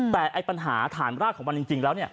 แต่ปัญหาฐานรากของมันจริงแล้ว